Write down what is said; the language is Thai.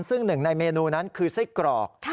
ซึ่งหนึ่งในเมนูนั้นคือไส้กรอก